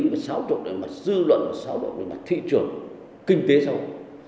một xáo trộn về mặt dư luận một xáo trộn về mặt thị trường kinh tế sau